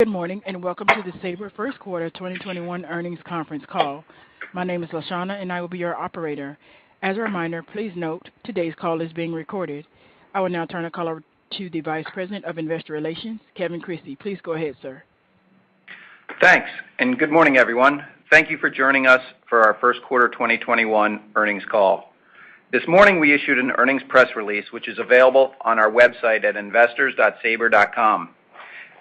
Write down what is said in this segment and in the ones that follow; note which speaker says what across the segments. Speaker 1: Good morning, and welcome to the Sabre First Quarter 2021 Earnings Conference Call. My name is Lashona, and I will be your operator. As a reminder, please note today's call is being recorded. I will now turn the call over to the Vice President of Investor Relations, Kevin Crissey. Please go ahead, sir.
Speaker 2: Thanks, good morning, everyone. Thank you for joining us for our first quarter 2021 earnings call. This morning, we issued an earnings press release which is available on our website at investors.sabre.com.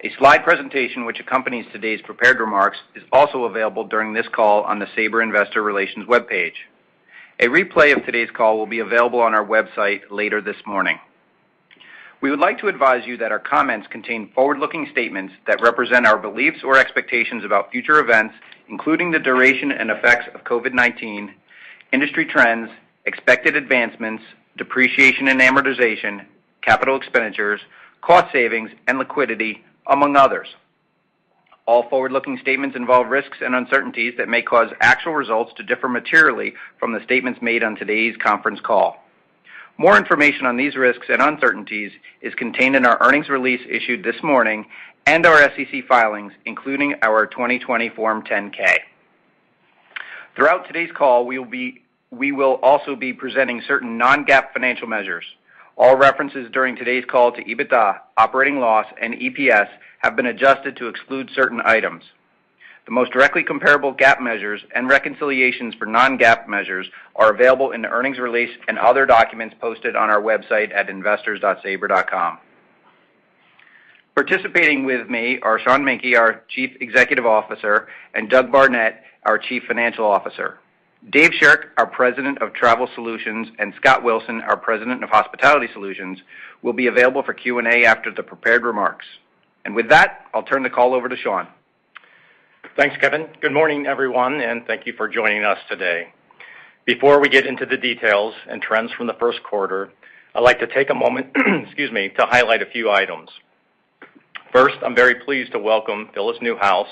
Speaker 2: A slide presentation which accompanies today's prepared remarks is also available during this call on the Sabre Investor Relations webpage. A replay of today's call will be available on our website later this morning. We would like to advise you that our comments contain forward-looking statements that represent our beliefs or expectations about future events, including the duration and effects of COVID-19, industry trends, expected advancements, depreciation and amortization, capital expenditures, cost savings, and liquidity, among others. All forward-looking statements involve risks and uncertainties that may cause actual results to differ materially from the statements made on today's conference call. More information on these risks and uncertainties is contained in our earnings release issued this morning and our SEC filings, including our 2020 Form 10-K. Throughout today's call, we will also be presenting certain non-GAAP financial measures. All references during today's call to EBITDA, operating loss, and EPS have been adjusted to exclude certain items. The most directly comparable GAAP measures and reconciliations for non-GAAP measures are available in the earnings release and other documents posted on our website at investors.sabre.com. Participating with me are Sean Menke, our Chief Executive Officer, and Doug Barnett, our Chief Financial Officer. Dave Shirk, our President of Travel Solutions, and Scott Wilson, our President of Hospitality Solutions, will be available for Q&A after the prepared remarks. With that, I'll turn the call over to Sean.
Speaker 3: Thanks, Kevin. Good morning, everyone. Thank you for joining us today. Before we get into the details and trends from the first quarter, I'd like to take a moment to highlight a few items. First, I'm very pleased to welcome Phyllis Newhouse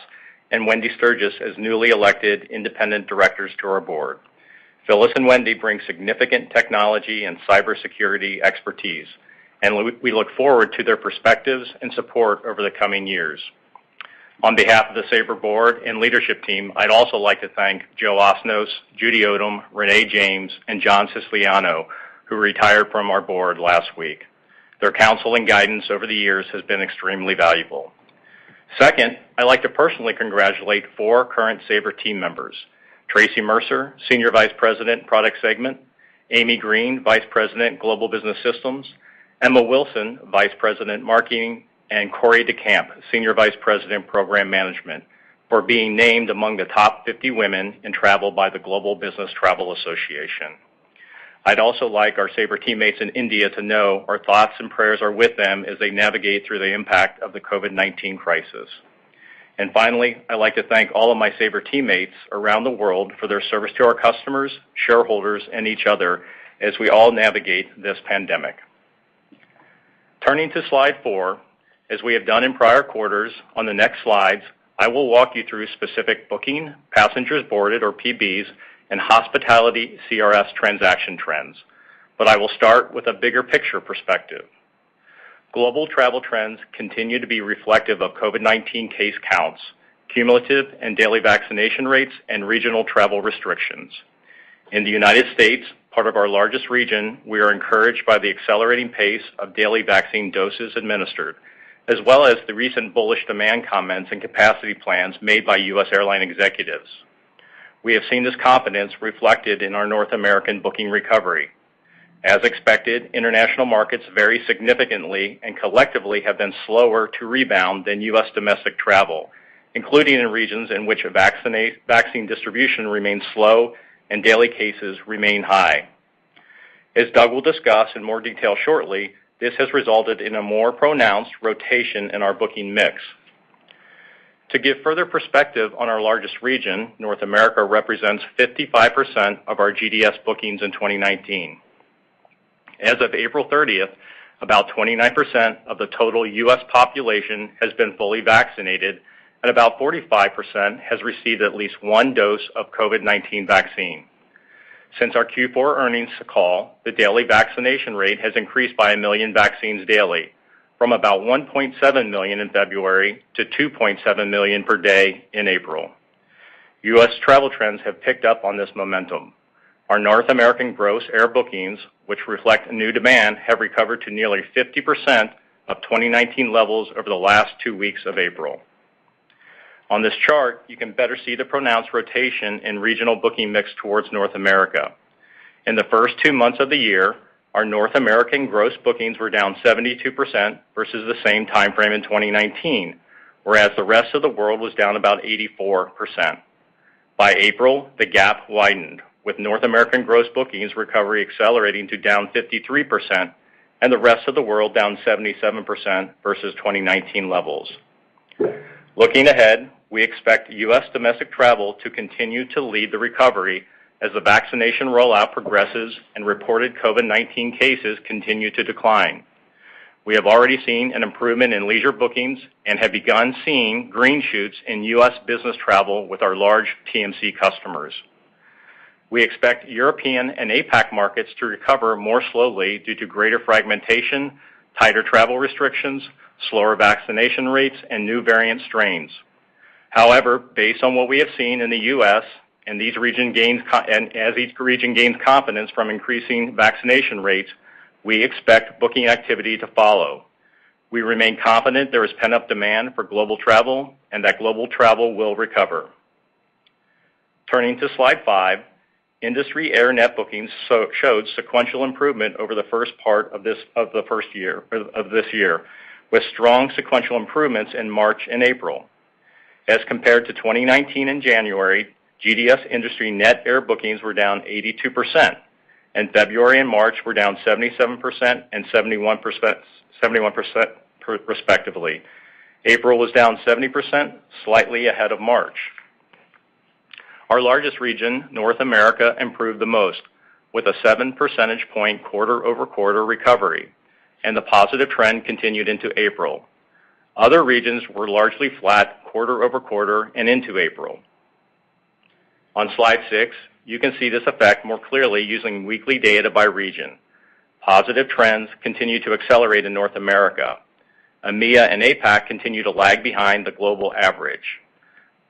Speaker 3: and Wendi Sturgis as newly elected independent directors to our board. Phyllis and Wendi bring significant technology and cybersecurity expertise. We look forward to their perspectives and support over the coming years. On behalf of the Sabre board and leadership team, I'd also like to thank Joseph Osnoss, Judy Odom, Renee James, and John Siciliano, who retired from our board last week. Their counsel and guidance over the years has been extremely valuable. Second, I'd like to personally congratulate four current Sabre team members, Traci Mercer, Senior Vice President, Product Segment, Amy Green, Vice President, Global Business Systems, Emma Wilson, Vice President, Marketing, and Corrie DeCamp, Senior Vice President, Program Management, for being named among the top 50 women in travel by the Global Business Travel Association. I'd also like our Sabre teammates in India to know our thoughts and prayers are with them as they navigate through the impact of the COVID-19 crisis. Finally, I'd like to thank all of my Sabre teammates around the world for their service to our customers, shareholders, and each other as we all navigate this pandemic. Turning to slide four, as we have done in prior quarters, on the next slides, I will walk you through specific booking, passengers boarded, or PBAs, and hospitality CRS transaction trends. I will start with a bigger picture perspective. Global travel trends continue to be reflective of COVID-19 case counts, cumulative and daily vaccination rates, and regional travel restrictions. In the United States, part of our largest region, we are encouraged by the accelerating pace of daily vaccine doses administered, as well as the recent bullish demand comments and capacity plans made by U.S. airline executives. We have seen this confidence reflected in our North American booking recovery. As expected, international markets vary significantly and collectively have been slower to rebound than U.S. domestic travel, including in regions in which a vaccine distribution remains slow and daily cases remain high. As Doug will discuss in more detail shortly, this has resulted in a more pronounced rotation in our booking mix. To give further perspective on our largest region, North America represents 55% of our GDS bookings in 2019. As of April 30th, about 29% of the total U.S. population has been fully vaccinated, and about 45% has received at least one dose of COVID-19 vaccine. Since our Q4 earnings call, the daily vaccination rate has increased by 1 million vaccines daily, from about 1.7 million in February to 2.7 million per day in April. U.S. travel trends have picked up on this momentum. Our North American gross air bookings, which reflect new demand, have recovered to nearly 50% of 2019 levels over the last two weeks of April. On this chart, you can better see the pronounced rotation in regional booking mix towards North America. In the first two months of the year, our North American gross bookings were down 72% versus the same timeframe in 2019, whereas the rest of the world was down about 84%. By April, the gap widened, with North American gross bookings recovery accelerating to down 53% and the rest of the world down 77% versus 2019 levels. Looking ahead, we expect U.S. domestic travel to continue to lead the recovery as the vaccination rollout progresses and reported COVID-19 cases continue to decline. We have already seen an improvement in leisure bookings and have begun seeing green shoots in U.S. business travel with our large TMC customers. We expect European and APAC markets to recover more slowly due to greater fragmentation, tighter travel restrictions, slower vaccination rates, and new variant strains. Based on what we have seen in the U.S. and as each region gains confidence from increasing vaccination rates, we expect booking activity to follow. We remain confident there is pent-up demand for global travel and that global travel will recover. Turning to slide five, industry air net bookings showed sequential improvement over the first part of this year, with strong sequential improvements in March and April. As compared to 2019 in January, GDS industry net air bookings were down 82%, and February and March were down 77% and 71%, respectively. April was down 70%, slightly ahead of March. Our largest region, North America, improved the most, with a seven percentage point quarter-over-quarter recovery, and the positive trend continued into April. Other regions were largely flat quarter-over-quarter and into April. On slide six, you can see this effect more clearly using weekly data by region. Positive trends continue to accelerate in North America. EMEA and APAC continue to lag behind the global average.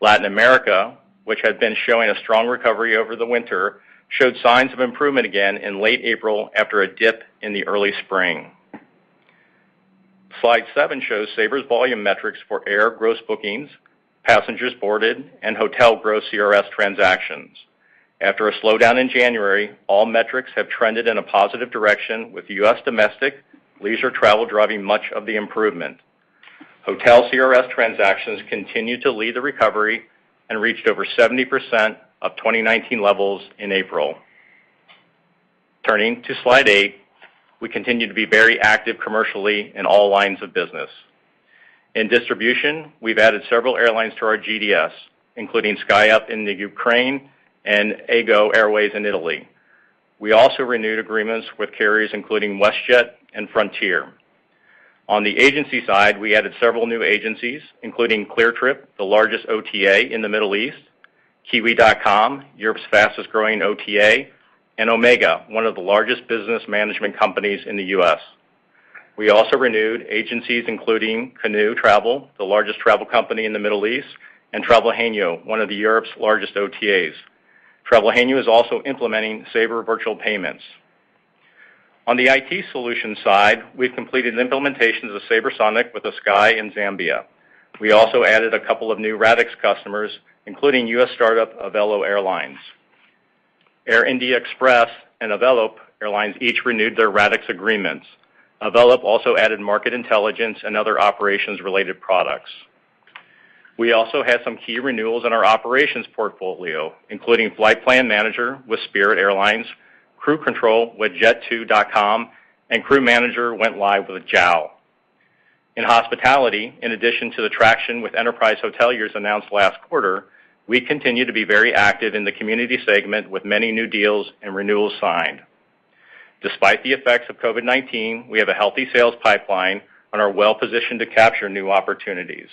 Speaker 3: Latin America, which had been showing a strong recovery over the winter, showed signs of improvement again in late April after a dip in the early spring. Slide seven shows Sabre's volume metrics for air gross bookings, passengers boarded, and hotel gross CRS transactions. After a slowdown in January, all metrics have trended in a positive direction with U.S. domestic leisure travel driving much of the improvement. Hotel CRS transactions continued to lead the recovery and reached over 70% of 2019 levels in April. Turning to slide eight, we continue to be very active commercially in all lines of business. In distribution, we've added several airlines to our GDS, including SkyUp in the Ukraine and Ego Airways in Italy. We also renewed agreements with carriers including WestJet and Frontier. On the agency side, we added several new agencies, including Cleartrip, the largest OTA in the Middle East, Kiwi.com, Europe's fastest-growing OTA, and Omega, one of the largest business management companies in the U.S. We also renewed agencies including Kanoo Travel, the largest travel company in the Middle East, and Travelgenio, one of the Europe's largest OTAs. Travelgenio is also implementing Sabre Virtual Payments. On the IT solution side, we've completed implementations of SabreSonic with ASKY in Zambia. We also added a couple of new Radixx customers, including U.S. startup Avelo Airlines. Air India Express and Avelo Airlines each renewed their Radixx agreements. Avelo also added market intelligence and other operations-related products. We also had some key renewals in our operations portfolio, including Flight Plan Manager with Spirit Airlines, Crew Control with Jet2.com, and Crew Manager went live with JAL. In hospitality, in addition to the traction with enterprise hoteliers announced last quarter, we continue to be very active in the community segment with many new deals and renewals signed. Despite the effects of COVID-19, we have a healthy sales pipeline and are well-positioned to capture new opportunities.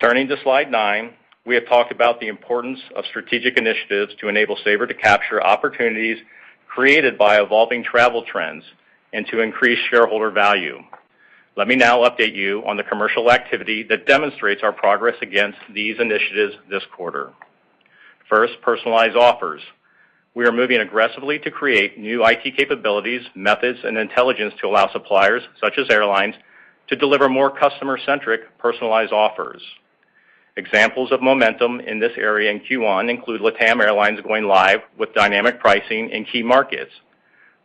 Speaker 3: Turning to slide nine, we have talked about the importance of strategic initiatives to enable Sabre to capture opportunities created by evolving travel trends and to increase shareholder value. Let me now update you on the commercial activity that demonstrates our progress against these initiatives this quarter. First, personalized offers. We are moving aggressively to create new IT capabilities, methods, and intelligence to allow suppliers, such as airlines, to deliver more customer-centric personalized offers. Examples of momentum in this area in Q1 include LATAM Airlines going live with dynamic pricing in key markets.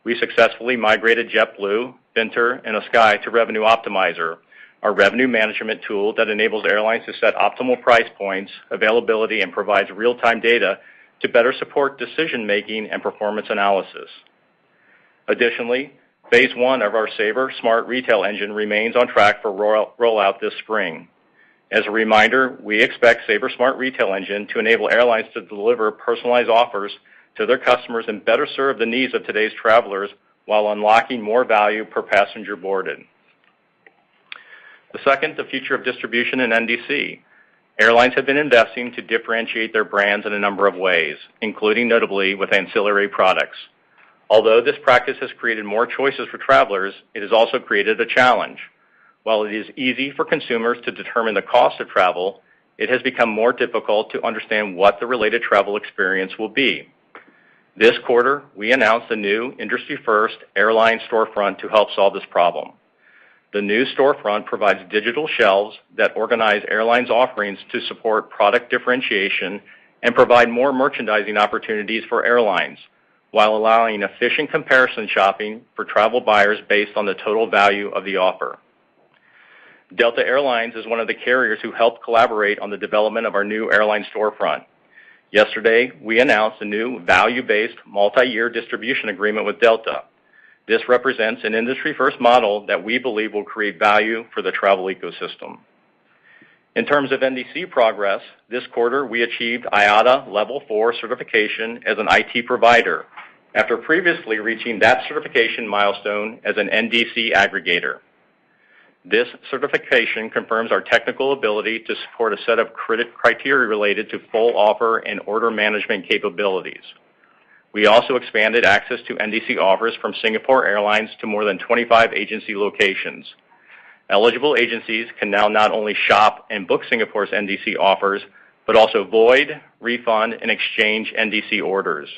Speaker 3: We successfully migrated JetBlue, Vietjet, and ASKY to Revenue Optimizer, our revenue management tool that enables airlines to set optimal price points, availability, and provides real-time data to better support decision-making and performance analysis. Additionally, phase one of our Sabre Smart Retail Engine remains on track for rollout this spring. As a reminder, we expect Sabre Smart Retail Engine to enable airlines to deliver personalized offers to their customers and better serve the needs of today's travelers while unlocking more value per passenger boarded. The second, the future of distribution in NDC. Airlines have been investing to differentiate their brands in a number of ways, including notably with ancillary products. Although this practice has created more choices for travelers, it has also created a challenge. While it is easy for consumers to determine the cost of travel, it has become more difficult to understand what the related travel experience will be. This quarter, we announced a new industry-first airline storefront to help solve this problem. The new storefront provides digital shelves that organize airlines' offerings to support product differentiation and provide more merchandising opportunities for airlines while allowing efficient comparison shopping for travel buyers based on the total value of the offer. Delta Air Lines is one of the carriers who helped collaborate on the development of our new airline storefront. Yesterday, we announced a new value-based multi-year distribution agreement with Delta. This represents an industry-first model that we believe will create value for the travel ecosystem. In terms of NDC progress, this quarter, we achieved IATA Level 4 certification as an IT provider after previously reaching that certification milestone as an NDC aggregator. This certification confirms our technical ability to support a set of criteria related to full offer and order management capabilities. We also expanded access to NDC offers from Singapore Airlines to more than 25 agency locations. Eligible agencies can now not only shop and book Singapore's NDC offers, but also void, refund, and exchange NDC orders.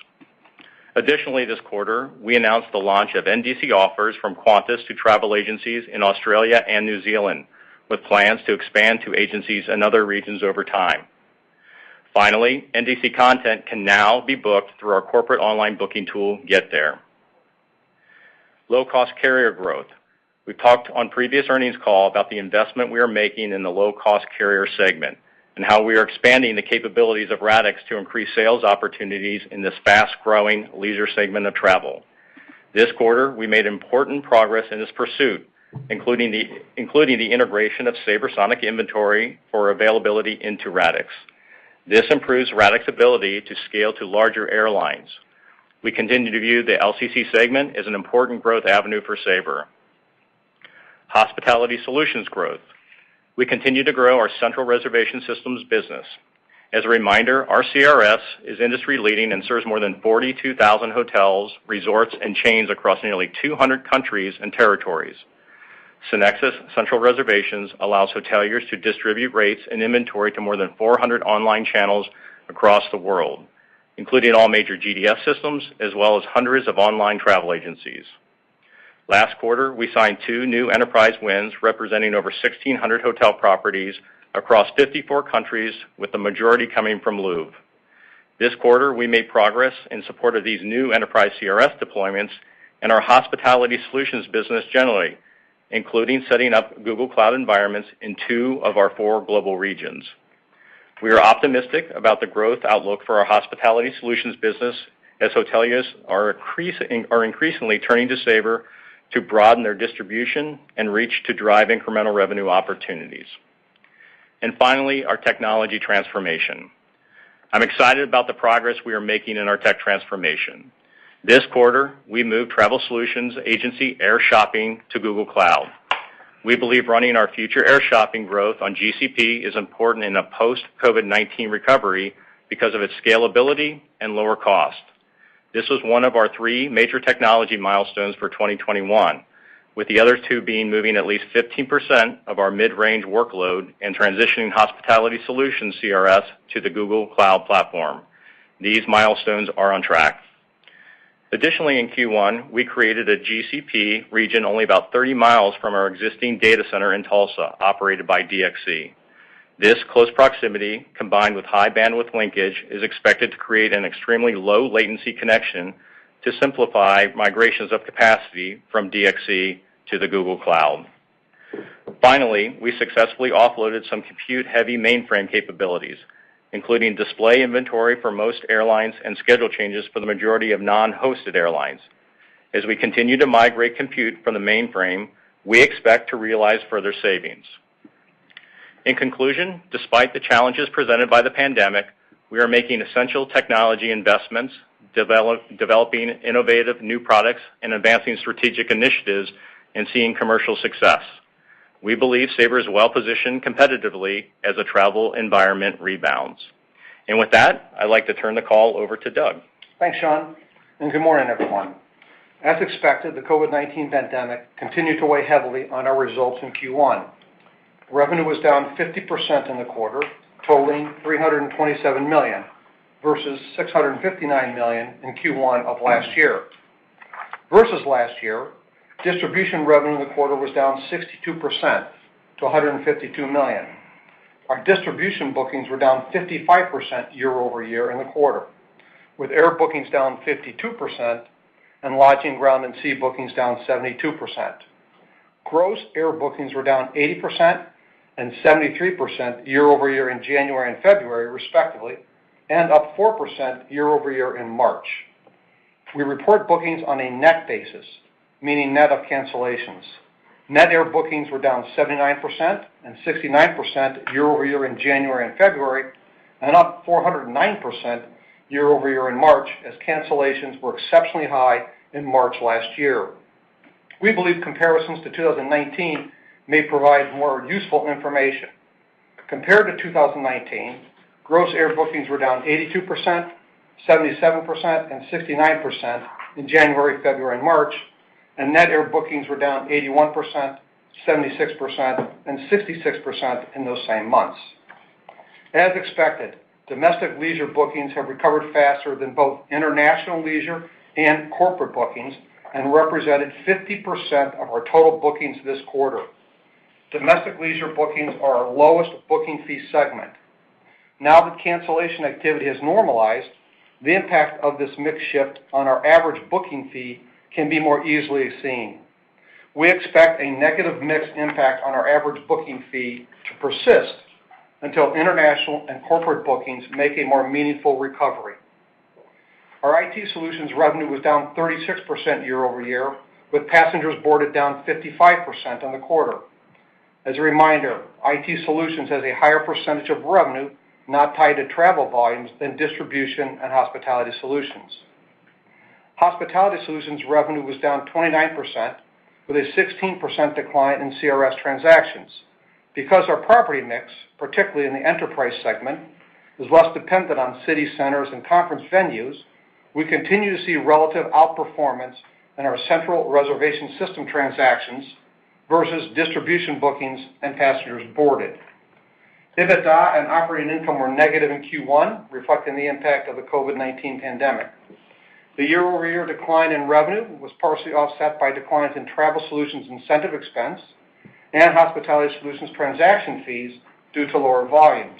Speaker 3: Additionally, this quarter, we announced the launch of NDC offers from Qantas to travel agencies in Australia and New Zealand, with plans to expand to agencies in other regions over time. Finally, NDC content can now be booked through our corporate online booking tool, GetThere. Low-cost carrier growth. We talked on previous earnings call about the investment we are making in the low-cost carrier segment, and how we are expanding the capabilities of Radixx to increase sales opportunities in this fast-growing leisure segment of travel. This quarter, we made important progress in this pursuit, including the integration of SabreSonic inventory for availability into Radixx. This improves Radixx's ability to scale to larger airlines. We continue to view the LCC segment as an important growth avenue for Sabre. Hospitality Solutions growth. We continue to grow our central reservation systems business. As a reminder, our CRS is industry-leading and serves more than 42,000 hotels, resorts, and chains across nearly 200 countries and territories. SynXis Central Reservations allows hoteliers to distribute rates and inventory to more than 400 online channels across the world, including all major GDS systems, as well as hundreds of online travel agencies. Last quarter, we signed two new enterprise wins representing over 1,600 hotel properties across 54 countries, with the majority coming from Louvre. This quarter, we made progress in support of these new enterprise CRS deployments and our Hospitality Solutions business generally, including setting up Google Cloud environments in two of our four global regions. We are optimistic about the growth outlook for our Hospitality Solutions business as hoteliers are increasingly turning to Sabre to broaden their distribution and reach to drive incremental revenue opportunities. Finally, our technology transformation. I'm excited about the progress we are making in our tech transformation. This quarter, we moved Travel Solutions agency air shopping to Google Cloud. We believe running our future air shopping growth on GCP is important in a post-COVID-19 recovery because of its scalability and lower cost. This was one of our three major technology milestones for 2021, with the other two being moving at least 15% of our mid-range workload and transitioning Hospitality Solutions CRS to the Google Cloud Platform. These milestones are on track. Additionally, in Q1, we created a GCP region only about 30 miles from our existing data center in Tulsa, operated by DXC. This close proximity, combined with high bandwidth linkage, is expected to create an extremely low latency connection to simplify migrations of capacity from DXC to the Google Cloud. Finally, we successfully offloaded some compute-heavy mainframe capabilities, including display inventory for most airlines and schedule changes for the majority of non-hosted airlines. As we continue to migrate compute from the mainframe, we expect to realize further savings. In conclusion, despite the challenges presented by the pandemic, we are making essential technology investments, developing innovative new products, and advancing strategic initiatives and seeing commercial success. We believe Sabre is well-positioned competitively as the travel environment rebounds. With that, I'd like to turn the call over to Doug.
Speaker 4: Thanks, Sean. Good morning, everyone. As expected, the COVID-19 pandemic continued to weigh heavily on our results in Q1. Revenue was down 50% in the quarter, totaling $327 million, versus $659 million in Q1 of last year. Versus last year, distribution revenue in the quarter was down 62% to $152 million. Our distribution bookings were down 55% year-over-year in the quarter, with air bookings down 52% and lodging ground and sea bookings down 72%. Gross air bookings were down 80% and 73% year-over-year in January and February, respectively, and up 4% year-over-year in March. We report bookings on a net basis, meaning net of cancellations. Net air bookings were down 79% and 69% year-over-year in January and February, and up 409% year-over-year in March, as cancellations were exceptionally high in March last year. We believe comparisons to 2019 may provide more useful information. Compared to 2019, gross air bookings were down 82%, 77%, and 69% in January, February, and March, and net air bookings were down 81%, 76%, and 66% in those same months. As expected, domestic leisure bookings have recovered faster than both international leisure and corporate bookings and represented 50% of our total bookings this quarter. Domestic leisure bookings are our lowest booking fee segment. Now that cancellation activity has normalized, the impact of this mix shift on our average booking fee can be more easily seen. We expect a negative mix impact on our average booking fee to persist until international and corporate bookings make a more meaningful recovery. Our IT solutions revenue was down 36% year-over-year, with passengers boarded down 55% on the quarter. As a reminder, IT Solutions has a higher percentage of revenue not tied to travel volumes than distribution and Hospitality Solutions. Hospitality Solutions revenue was down 29%, with a 16% decline in CRS transactions. Because our property mix, particularly in the enterprise segment, is less dependent on city centers and conference venues, we continue to see relative outperformance in our central reservation system transactions versus distribution bookings and passengers boarded. EBITDA and operating income were negative in Q1, reflecting the impact of the COVID-19 pandemic. The year-over-year decline in revenue was partially offset by declines in Travel Solutions incentive expense and Hospitality Solutions transaction fees due to lower volumes,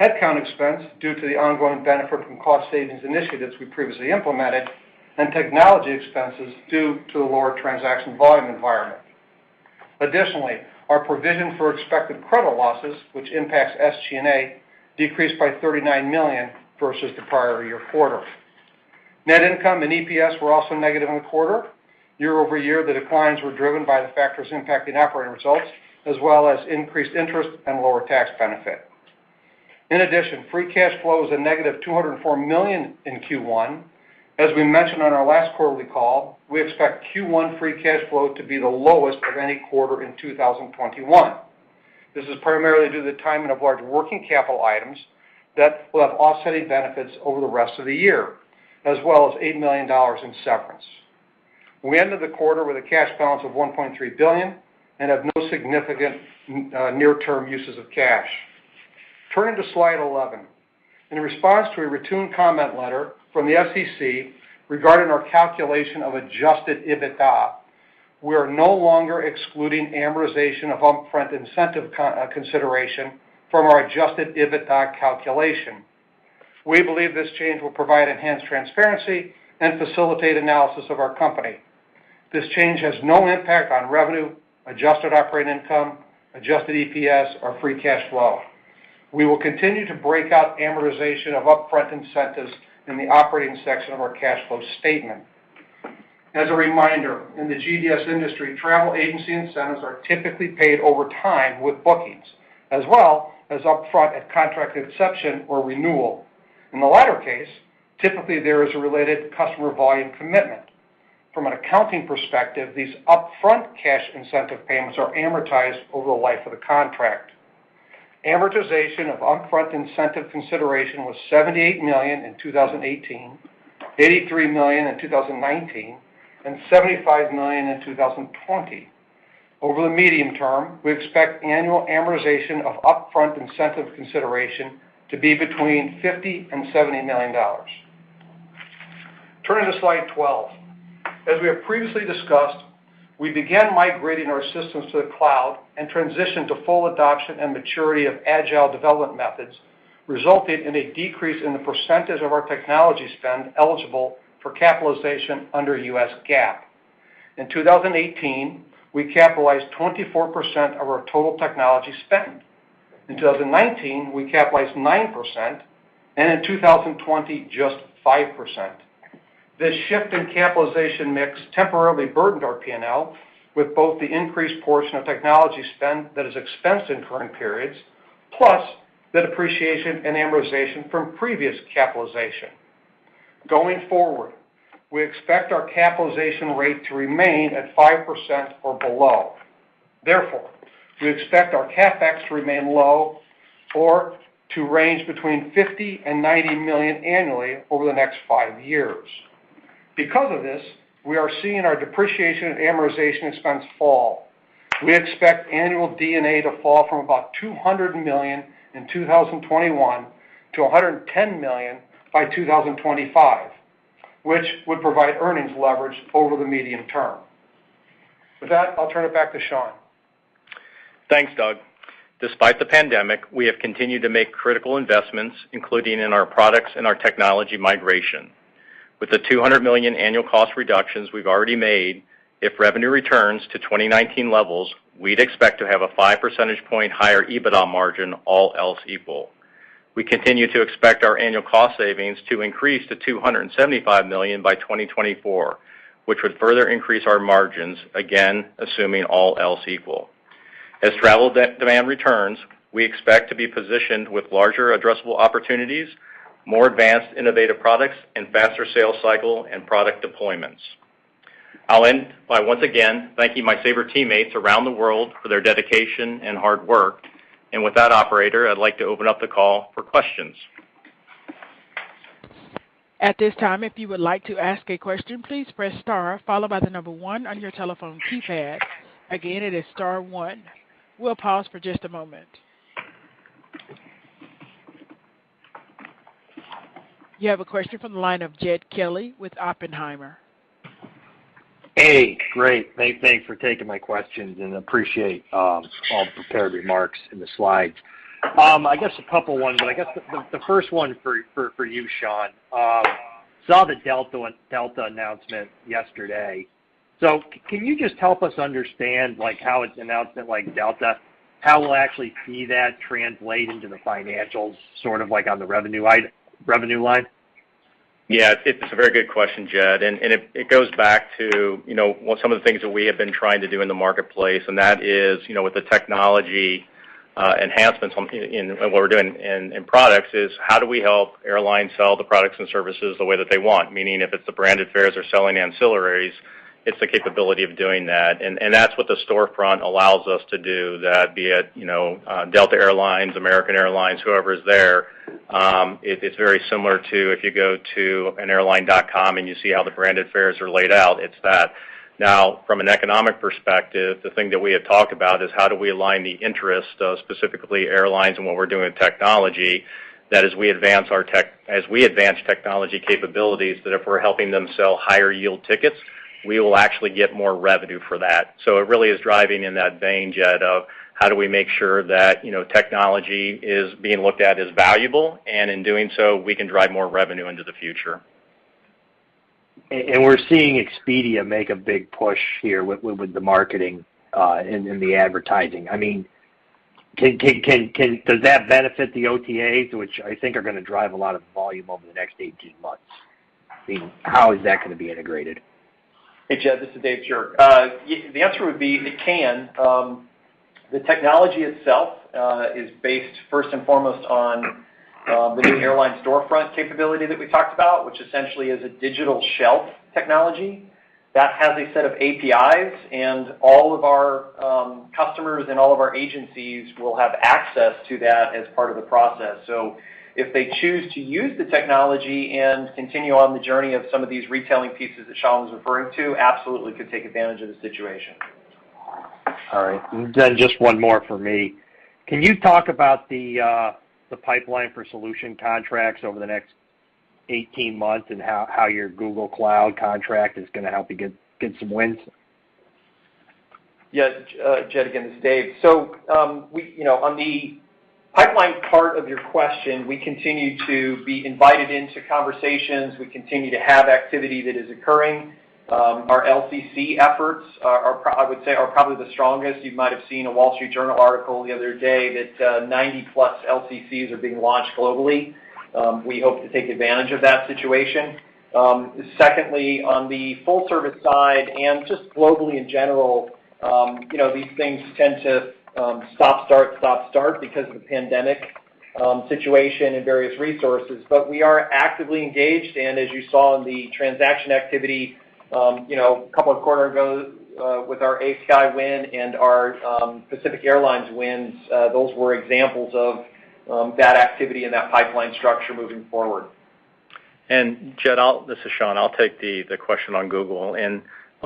Speaker 4: headcount expense due to the ongoing benefit from cost savings initiatives we previously implemented, and technology expenses due to the lower transaction volume environment. Our provision for expected credit losses, which impacts SG&A, decreased by $39 million versus the prior year quarter. Net income and EPS were also negative in the quarter. Year-over-year, the declines were driven by the factors impacting operating results, as well as increased interest and lower tax benefit. Free cash flow was a -$204 million in Q1. As we mentioned on our last quarterly call, we expect Q1 free cash flow to be the lowest of any quarter in 2021. This is primarily due to the timing of large working capital items that will have offsetting benefits over the rest of the year, as well as $8 million in severance. We ended the quarter with a cash balance of $1.3 billion and have no significant near-term uses of cash. Turning to slide 11. In response to a routine comment letter from the SEC regarding our calculation of adjusted EBITDA, we are no longer excluding amortization of upfront incentive consideration from our adjusted EBITDA calculation. We believe this change will provide enhanced transparency and facilitate analysis of our company. This change has no impact on revenue, adjusted operating income, adjusted EPS, or free cash flow. We will continue to break out amortization of upfront incentives in the operating section of our cash flow statement. As a reminder, in the GDS industry, travel agency incentives are typically paid over time with bookings, as well as upfront at contract inception or renewal. In the latter case, typically there is a related customer volume commitment. From an accounting perspective, these upfront cash incentive payments are amortized over the life of the contract. Amortization of upfront incentive consideration was $78 million in 2018, $83 million in 2019, and $75 million in 2020. Over the medium term, we expect annual amortization of upfront incentive consideration to be between $50 million and $70 million. Turning to slide 12. As we have previously discussed, we began migrating our systems to the cloud and transitioned to full adoption and maturity of agile development methods, resulting in a decrease in the percentage of our technology spend eligible for capitalization under US GAAP. In 2018, we capitalized 24% of our total technology spend. In 2019, we capitalized 9%, and in 2020, just 5%. This shift in capitalization mix temporarily burdened our P&L with both the increased portion of technology spend that is expensed in current periods, plus the depreciation and amortization from previous capitalization. Going forward, we expect our capitalization rate to remain at 5% or below. Therefore, we expect our CapEx to remain low or to range between $50 million and $90 million annually over the next five years. Because of this, we are seeing our D&A expense fall. We expect annual D&A to fall from about $200 million in 2021 to $110 million by 2025, which would provide earnings leverage over the medium term. With that, I'll turn it back to Sean.
Speaker 3: Thanks, Doug. Despite the pandemic, we have continued to make critical investments, including in our products and our technology migration. With the $200 million annual cost reductions we've already made, if revenue returns to 2019 levels, we'd expect to have a five percentage point higher EBITDA margin, all else equal. We continue to expect our annual cost savings to increase to $275 million by 2024, which would further increase our margins, again, assuming all else equal. As travel demand returns, we expect to be positioned with larger addressable opportunities, more advanced innovative products, and faster sales cycle and product deployments. I'll end by once again thanking my Sabre teammates around the world for their dedication and hard work. With that, operator, I'd like to open up the call for questions.
Speaker 1: At this time, if you would like to ask a question, please press star followed by the number one on your telephone keypad. Again, it is star one. We'll pause for just a moment. You have a question from the line of Jed Kelly with Oppenheimer.
Speaker 5: Hey, great. Thanks for taking my questions and appreciate all the prepared remarks in the slides. I guess a couple ones, but I guess the first one for you, Sean. Saw the Delta announcement yesterday. Can you just help us understand how an announcement like Delta, how we'll actually see that translate into the financials on the revenue line?
Speaker 3: Yeah. It's a very good question, Jed. It goes back to some of the things that we have been trying to do in the marketplace, and that is with the technology enhancements in what we're doing in products is how do we help airlines sell the products and services the way that they want? Meaning, if it's the branded fares or selling ancillaries, it's the capability of doing that. That's what the storefront allows us to do, that be it Delta Air Lines, American Airlines, whoever's there, it's very similar to if you go to an airline.com and you see how the branded fares are laid out, it's that. From an economic perspective, the thing that we had talked about is how do we align the interest of specifically airlines and what we're doing with technology, that as we advance technology capabilities, that if we're helping them sell higher yield tickets, we will actually get more revenue for that. It really is driving in that vein, Jed, of how do we make sure that technology is being looked at as valuable, and in doing so, we can drive more revenue into the future.
Speaker 5: We're seeing Expedia make a big push here with the marketing and the advertising. Does that benefit the OTAs, which I think are going to drive a lot of volume over the next 18 months? How is that going to be integrated?
Speaker 6: Hey, Jed, this is Dave Shirk. The answer would be it can. The technology itself is based first and foremost on the new airline storefront capability that we talked about, which essentially is a digital shelf technology that has a set of APIs, and all of our customers and all of our agencies will have access to that as part of the process. If they choose to use the technology and continue on the journey of some of these retailing pieces that Sean Menke was referring to, absolutely could take advantage of the situation.
Speaker 5: All right. Just one more from me. Can you talk about the pipeline for solution contracts over the next 18 months and how your Google Cloud contract is going to help you get some wins?
Speaker 6: Yes. Jed, again, this is Dave. On the pipeline part of your question, we continue to be invited into conversations. We continue to have activity that is occurring. Our LCC efforts, I would say, are probably the strongest. You might have seen a Wall Street Journal article the other day that 90-plus LCCs are being launched globally. We hope to take advantage of that situation. Secondly, on the full service side and just globally in general, these things tend to stop-start because of the pandemic situation and various resources. We are actively engaged, and as you saw in the transaction activity a couple of quarter ago with our ASky win and our Pacific Airlines wins, those were examples of that activity and that pipeline structure moving forward.
Speaker 3: Jed, this is Sean. I'll take the question on Google.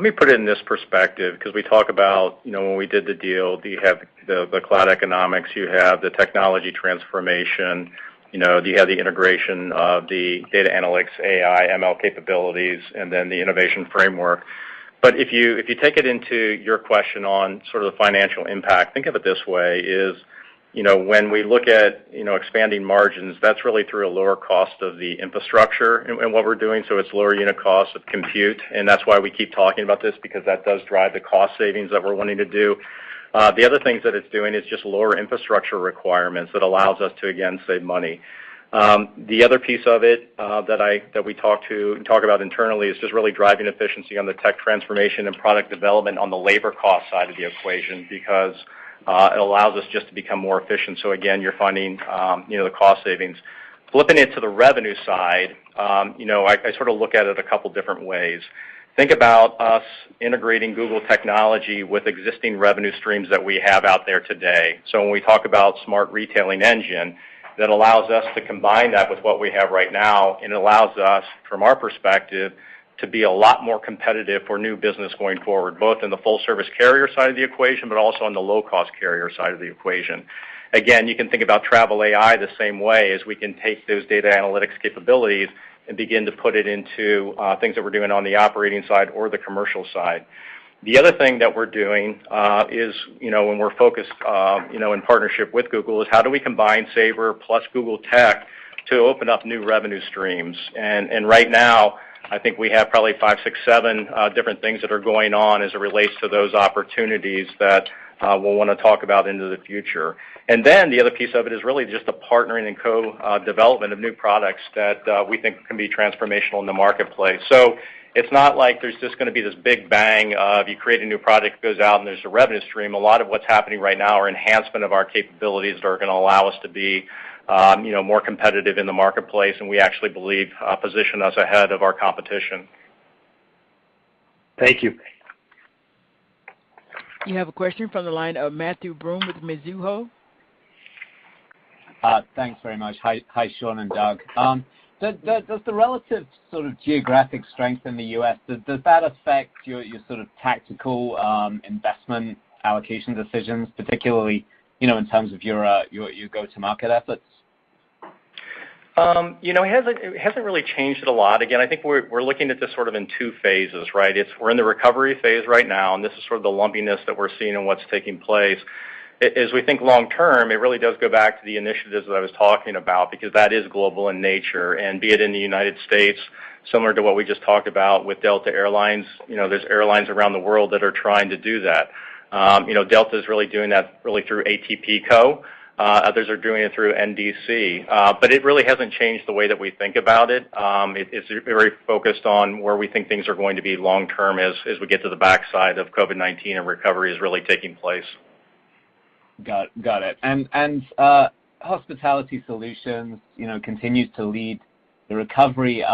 Speaker 3: Let me put it in this perspective because we talk about when we did the deal, you have the cloud economics, you have the technology transformation, you have the integration of the data analytics, AI, ML capabilities, and then the innovation framework. If you take it into your question on sort of the financial impact, think of it this way, is when we look at expanding margins, that's really through a lower cost of the infrastructure and what we're doing, so it's lower unit cost of compute, and that's why we keep talking about this because that does drive the cost savings that we're wanting to do. The other things that it's doing is just lower infrastructure requirements that allows us to, again, save money. The other piece of it that we talk about internally is just really driving efficiency on the tech transformation and product development on the labor cost side of the equation because it allows us just to become more efficient. Again, you're finding the cost savings. Flipping it to the revenue side, I sort of look at it a couple different ways. Think about us integrating Google with existing revenue streams that we have out there today. When we talk about Sabre Smart Retail Engine, that allows us to combine that with what we have right now, and allows us, from our perspective, to be a lot more competitive for new business going forward, both in the full service carrier side of the equation, but also on the low-cost carrier side of the equation. You can think about Travel AI the same way, is we can take those data analytics capabilities and begin to put it into things that we're doing on the operating side or the commercial side. The other thing that we're doing is when we're focused in partnership with Google, is how do we combine Sabre plus Google tech to open up new revenue streams? Right now, I think we have probably five, six, seven different things that are going on as it relates to those opportunities that we'll want to talk about into the future. The other piece of it is really just the partnering and co-development of new products that we think can be transformational in the marketplace. It's not like there's just going to be this big bang of you create a new product, it goes out and there's a revenue stream. A lot of what's happening right now are enhancement of our capabilities that are going to allow us to be more competitive in the marketplace, and we actually believe position us ahead of our competition.
Speaker 5: Thank you.
Speaker 1: You have a question from the line of Matthew Broome with Mizuho.
Speaker 7: Thanks very much. Hi, Sean and Doug. Does the relative sort of geographic strength in the U.S., does that affect your sort of tactical investment allocation decisions, particularly in terms of your go-to-market efforts?
Speaker 3: It hasn't really changed it a lot. Again, I think we're looking at this sort of in two phases, right? We're in the recovery phase right now, and this is sort of the lumpiness that we're seeing in what's taking place. As we think long term, it really does go back to the initiatives that I was talking about because that is global in nature, and be it in the U.S., similar to what we just talked about with Delta Air Lines, there's airlines around the world that are trying to do that. Delta is really doing that really through ATPCO. Others are doing it through NDC. It really hasn't changed the way that we think about it. It's very focused on where we think things are going to be long-term as we get to the backside of COVID-19 and recovery is really taking place.
Speaker 7: Got it. Hospitality Solutions continues to lead the recovery.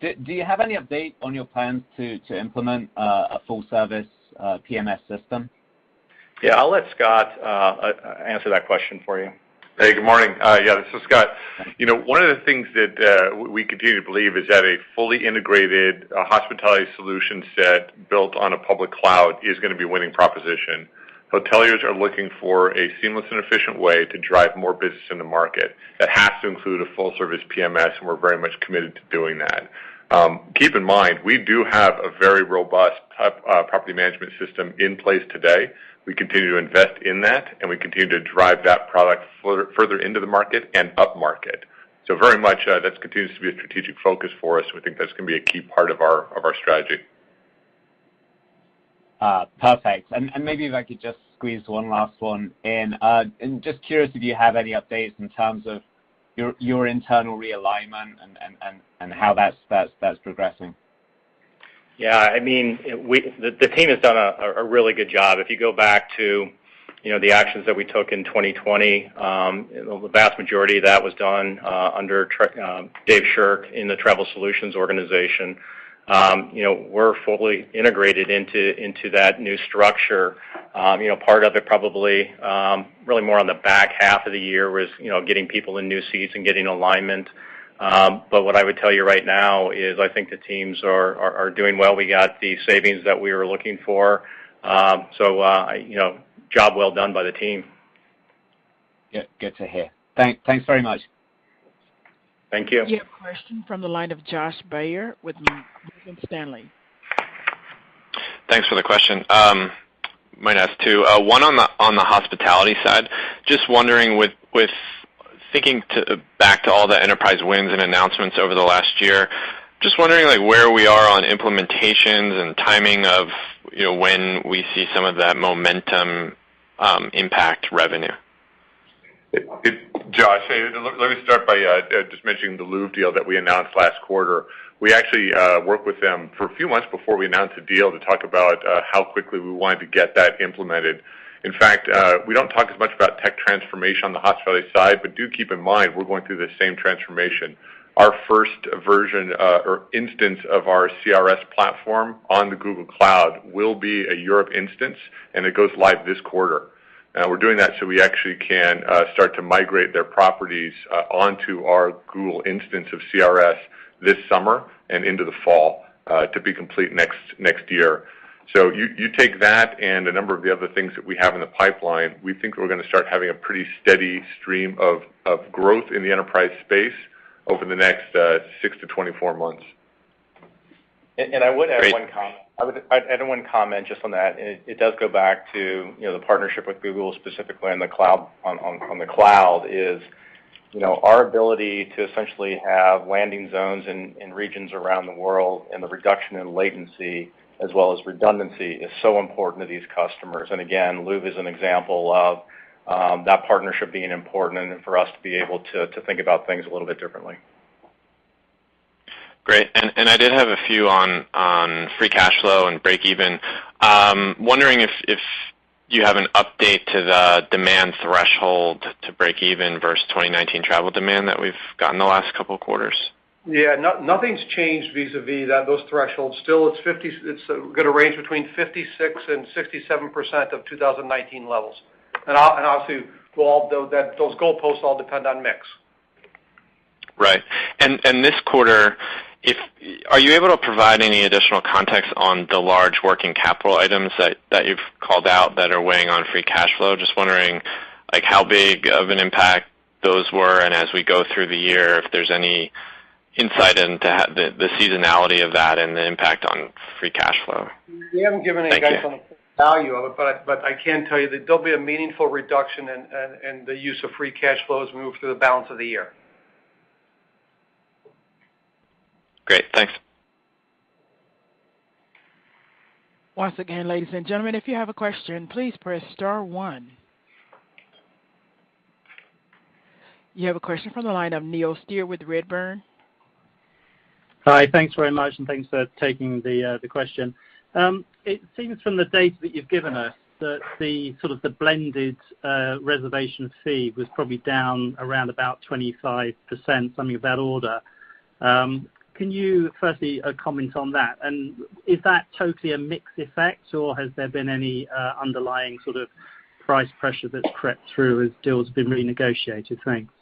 Speaker 7: Do you have any update on your plans to implement a full service PMS system?
Speaker 3: Yeah. I'll let Scott answer that question for you.
Speaker 8: Hey, good morning. Yeah. This is Scott. One of the things that we continue to believe is that a fully integrated Hospitality Solutions set built on a public cloud is going to be a winning proposition. Hoteliers are looking for a seamless and efficient way to drive more business in the market. That has to include a full service PMS, and we're very much committed to doing that. Keep in mind, we do have a very robust Property Management System in place today. We continue to invest in that, and we continue to drive that product further into the market and up market. Very much, that continues to be a strategic focus for us. We think that's going to be a key part of our strategy.
Speaker 7: Perfect. Maybe if I could just squeeze one last one in. I'm just curious if you have any updates in terms of your internal realignment and how that's progressing.
Speaker 3: Yeah. The team has done a really good job. If you go back to the actions that we took in 2020, the vast majority of that was done under Dave Shirk in the Travel Solutions organization. We're fully integrated into that new structure. Part of it probably, really more on the back half of the year, was getting people in new seats and getting alignment. What I would tell you right now is I think the teams are doing well. We got the savings that we were looking for. Job well done by the team.
Speaker 7: Yeah. Good to hear. Thanks very much.
Speaker 3: Thank you.
Speaker 1: You have a question from the line of Josh Baer with Morgan Stanley.
Speaker 9: Thanks for the question. I might ask two. One on the hospitality side. Thinking back to all the enterprise wins and announcements over the last year, just wondering where we are on implementations and timing of when we see some of that momentum impact revenue.
Speaker 8: Josh, let me start by just mentioning the Louvre deal that we announced last quarter. We actually worked with them for a few months before we announced the deal to talk about how quickly we wanted to get that implemented. We don't talk as much about tech transformation on the hospitality side, but do keep in mind, we're going through the same transformation. Our first version or instance of our CRS platform on the Google Cloud will be a Europe instance, and it goes live this quarter. We're doing that so we actually can start to migrate their properties onto our Google instance of CRS this summer and into the fall, to be complete next year. You take that and a number of the other things that we have in the pipeline, we think we're going to start having a pretty steady stream of growth in the enterprise space over the next 6-24 months.
Speaker 3: I would add one comment just on that, and it does go back to the partnership with Google specifically on the cloud is our ability to essentially have landing zones in regions around the world and the reduction in latency as well as redundancy is so important to these customers. Again, Louvre is an example of that partnership being important and for us to be able to think about things a little bit differently.
Speaker 9: Great. I did have a few on free cash flow and break even. Wondering if you have an update to the demand threshold to break even versus 2019 travel demand that we've gotten the last couple of quarters.
Speaker 4: Yeah. Nothing's changed vis-a-vis those thresholds. Still it's going to range between 56% and 67% of 2019 levels. Obviously, those goalposts all depend on mix.
Speaker 9: Right. This quarter, are you able to provide any additional context on the large working capital items that you've called out that are weighing on free cash flow? Just wondering how big of an impact those were, and as we go through the year, if there's any insight into the seasonality of that and the impact on free cash flow? We haven't given any- Thank you.
Speaker 4: guidance on the value of it. I can tell you that there'll be a meaningful reduction in the use of free cash flow as we move through the balance of the year.
Speaker 9: Great. Thanks.
Speaker 1: Once again, ladies and gentlemen, if you have a question, please press star one. You have a question from the line of Neil Steer with Redburn.
Speaker 10: Hi. Thanks very much, and thanks for taking the question. It seems from the data that you've given us that the blended reservation fee was probably down around about 25%, something of that order. Can you firstly comment on that? Is that totally a mix effect, or has there been any underlying price pressure that's crept through as deals have been renegotiated? Thanks.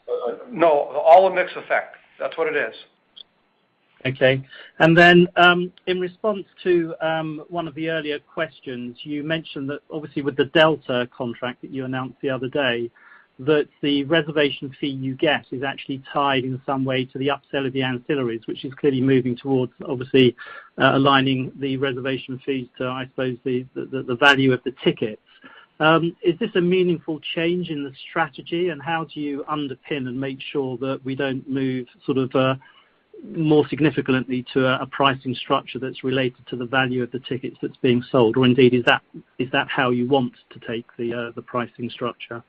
Speaker 4: No, all a mix effect. That's what it is.
Speaker 10: Okay. In response to one of the earlier questions, you mentioned that obviously with the Delta contract that you announced the other day, that the reservation fee you get is actually tied in some way to the upsell of the ancillaries, which is clearly moving towards obviously aligning the reservation fees to, I suppose, the value of the ticket. Is this a meaningful change in the strategy, and how do you underpin and make sure that we don't move sort of more significantly to a pricing structure that's related to the value of the tickets that's being sold, or indeed, is that how you want to take the pricing structure?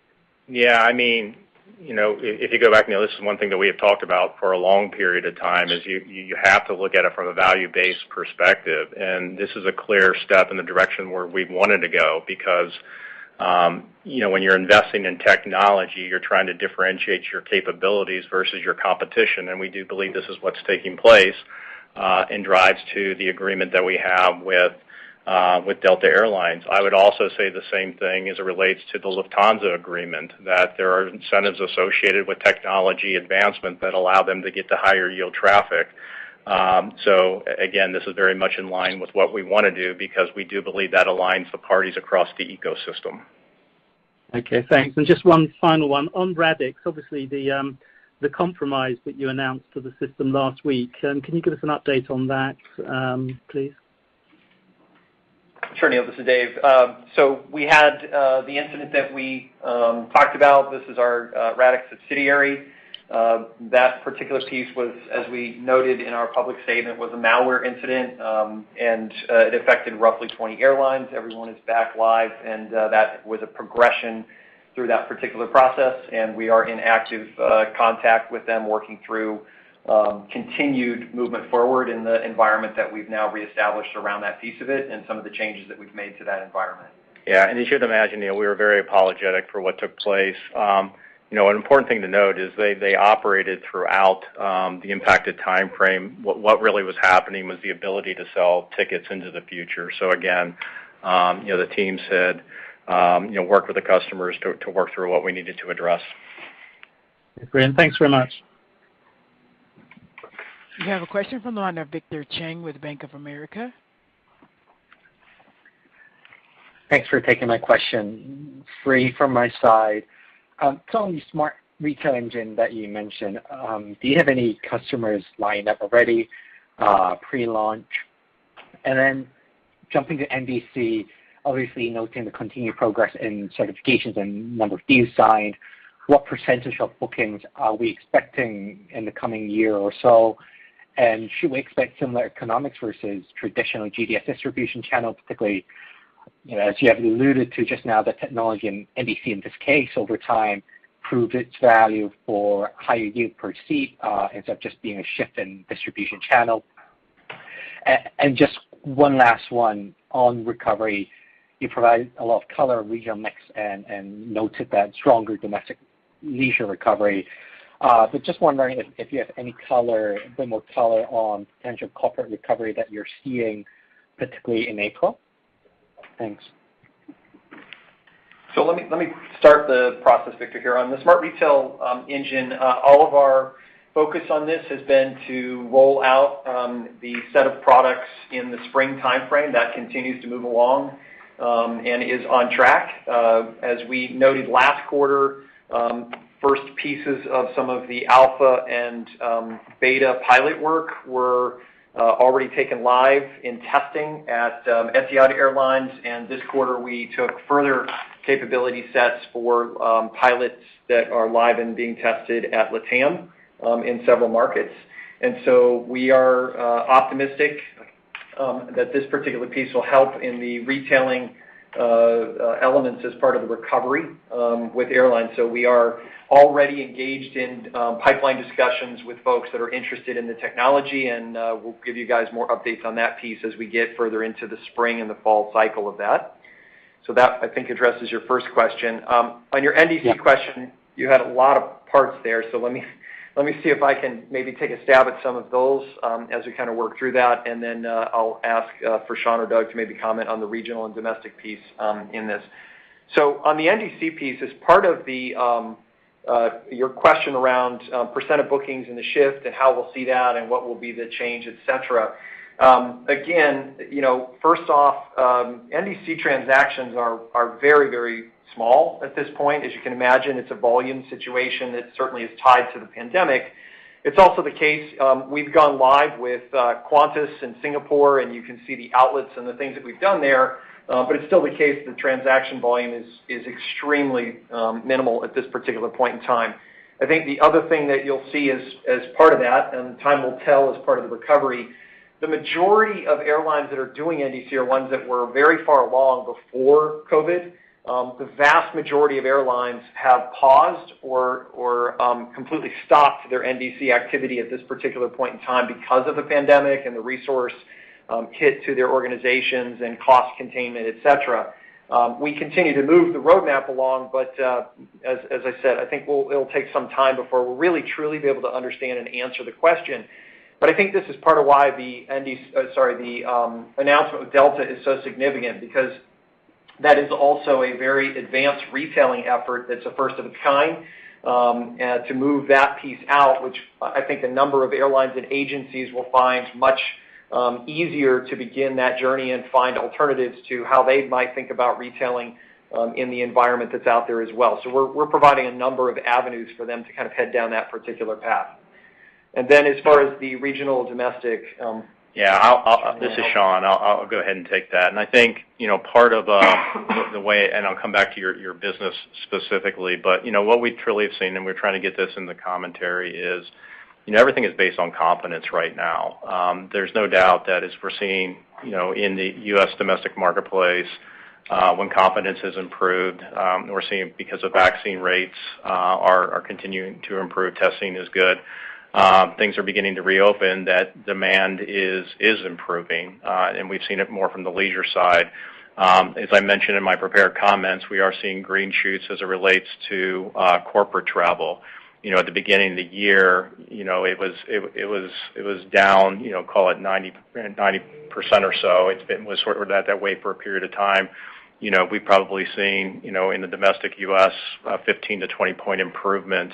Speaker 3: Yeah. If you go back, this is one thing that we have talked about for a long period of time is you have to look at it from a value-based perspective, and this is a clear step in the direction where we've wanted to go because when you're investing in technology, you're trying to differentiate your capabilities versus your competition, and we do believe this is what's taking place and drives to the agreement that we have with Delta Air Lines. I would also say the same thing as it relates to the Lufthansa agreement, that there are incentives associated with technology advancement that allow them to get to higher yield traffic. Again, this is very much in line with what we want to do because we do believe that aligns the parties across the ecosystem.
Speaker 10: Okay, thanks. Just one final one. On Radixx, obviously the compromise that you announced for the system last week, can you give us an update on that, please?
Speaker 6: Sure, Neil. This is Dave. We had the incident that we talked about. This is our Radixx subsidiary. That particular piece was, as we noted in our public statement, was a malware incident, and it affected roughly 20 airlines. Everyone is back live, and that was a progression through that particular process, and we are in active contact with them, working through continued movement forward in the environment that we've now reestablished around that piece of it and some of the changes that we've made to that environment.
Speaker 3: Yeah. As you would imagine, Neil, we were very apologetic for what took place. An important thing to note is they operated throughout the impacted timeframe. What really was happening was the ability to sell tickets into the future. Again, the team said, work with the customers to work through what we needed to address.
Speaker 10: Great. Thanks very much.
Speaker 1: We have a question from the line of Victor Chang with Bank of America.
Speaker 11: Thanks for taking my question. Three from my side. On the Smart Retail Engine that you mentioned, do you have any customers lined up already pre-launch? Jumping to NDC, obviously noting the continued progress in certifications and number of deals signed, what % of bookings are we expecting in the coming year or so, and should we expect similar economics versus traditional GDS distribution channels, particularly as you have alluded to just now, the technology and NDC, in this case, over time, proved its value for higher yield per seat, ends up just being a shift in distribution channel. Just one last one on recovery. You provide a lot of color regional mix and noted that stronger domestic leisure recovery. Just wondering if you have any more color on potential corporate recovery that you're seeing, particularly in April. Thanks.
Speaker 6: Let me start the process, Victor, here. On the Smart Retail Engine, all of our focus on this has been to roll out the set of products in the spring timeframe. That continues to move along and is on track. As we noted last quarter, first pieces of some of the alpha and beta pilot work were already taken live in testing at Etihad Airways, and this quarter, we took further capability sets for pilots that are live and being tested at LATAM in several markets. We are optimistic that this particular piece will help in the retailing elements as part of the recovery with airlines. We are already engaged in pipeline discussions with folks that are interested in the technology, and we'll give you guys more updates on that piece as we get further into the spring and the fall cycle of that. That, I think, addresses your first question. On your NDC question, you had a lot of parts there, so let me see if I can maybe take a stab at some of those as we kind of work through that, and then I'll ask for Sean or Doug to maybe comment on the regional and domestic piece in this. On the NDC piece, as part of your question around % of bookings and the shift and how we'll see that and what will be the change, et cetera. Again, first off, NDC transactions are very small at this point. As you can imagine, it's a volume situation that certainly is tied to the pandemic. It's also the case, we've gone live with Qantas and Singapore, and you can see the outlets and the things that we've done there, but it's still the case that transaction volume is extremely minimal at this particular point in time. I think the other thing that you'll see as part of that, and time will tell as part of the recovery, the majority of airlines that are doing NDC are ones that were very far along before COVID. The vast majority of airlines have paused or completely stopped their NDC activity at this particular point in time because of the pandemic and the resource hit to their organizations and cost containment, et cetera. We continue to move the roadmap along, but as I said, I think it'll take some time before we'll really, truly be able to understand and answer the question. I think this is part of why the announcement with Delta is so significant because that is also a very advanced retailing effort that's a first of its kind to move that piece out, which I think a number of airlines and agencies will find much easier to begin that journey and find alternatives to how they might think about retailing in the environment that's out there as well. We're providing a number of avenues for them to kind of head down that particular path. As far as the regional domestic.
Speaker 3: Yeah. This is Sean. I'll go ahead and take that. I think part of the way, and I'll come back to your business specifically, what we truly have seen, and we're trying to get this in the commentary is, everything is based on confidence right now. There's no doubt that as we're seeing, in the U.S. domestic marketplace, when confidence has improved, we're seeing because the vaccine rates are continuing to improve, testing is good, things are beginning to reopen, that demand is improving. We've seen it more from the leisure side. As I mentioned in my prepared comments, we are seeing green shoots as it relates to corporate travel. At the beginning of the year, it was down, call it 90% or so. It was that way for a period of time. We've probably seen, in the domestic U.S., a 15-20 point improvement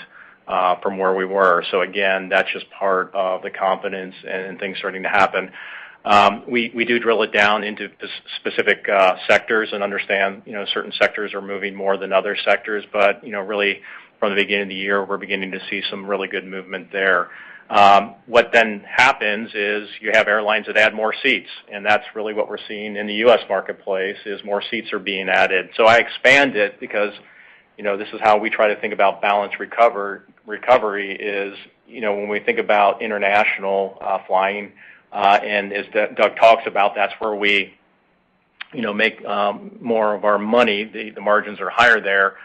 Speaker 3: from where we were. Again, that's just part of the confidence and things starting to happen. We do drill it down into specific sectors and understand certain sectors are moving more than other sectors. Really, from the beginning of the year, we're beginning to see some really good movement there. What then happens is you have airlines that add more seats, and that's really what we're seeing in the U.S. marketplace, is more seats are being added. I expand it because this is how we try to think about balanced recovery is, when we think about international flying, and as Doug talks about, that's where we make more of our money. The margins are higher there.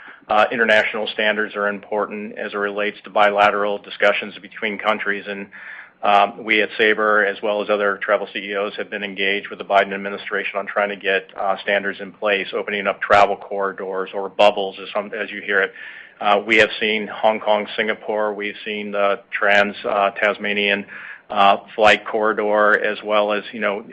Speaker 3: International standards are important as it relates to bilateral discussions between countries. We at Sabre, as well as other travel CEOs, have been engaged with the Biden administration on trying to get standards in place, opening up travel corridors or bubbles, as you hear it. We have seen Hong Kong, Singapore, we've seen the Trans-Tasmanian flight corridor as well as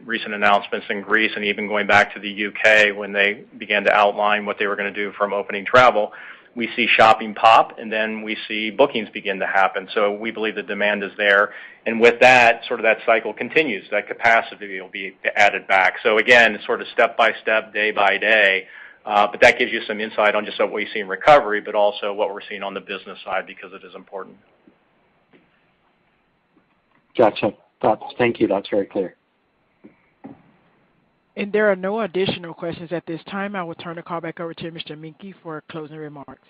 Speaker 3: recent announcements in Greece and even going back to the U.K. when they began to outline what they were going to do from opening travel. We see shopping pop, then we see bookings begin to happen. We believe the demand is there. With that cycle continues. That capacity will be added back. Again, sort of step-by-step, day by day, that gives you some insight on just what we see in recovery, but also what we're seeing on the business side because it is important.
Speaker 11: Got you. Thank you. That's very clear.
Speaker 1: There are no additional questions at this time. I will turn the call back over to Mr. Menke for closing remarks.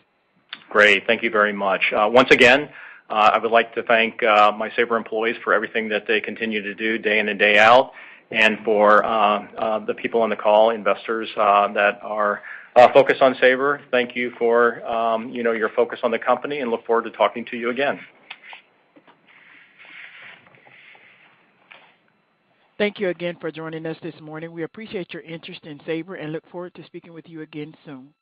Speaker 3: Great. Thank you very much. Once again, I would like to thank my Sabre employees for everything that they continue to do day in and day out. For the people on the call, investors that are focused on Sabre, thank you for your focus on the company and look forward to talking to you again.
Speaker 1: Thank you again for joining us this morning. We appreciate your interest in Sabre and look forward to speaking with you again soon.